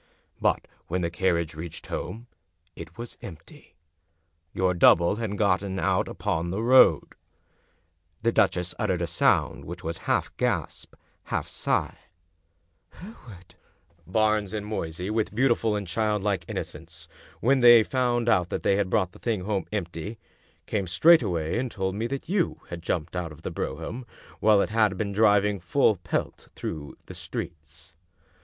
But when the carriage reached home it was empty. Your double had got out upon the road." The duchess uttered a sound which was half gasp, half sigh. "Hereward!" " Barnes and Moysey, with beautiful and childlike inno cence, when they found that they had brought the thing home empty, came straightway and told me that you had jumped out of the brougham while it had been driving full pelt through the streets.